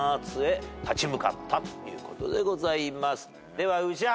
では宇治原。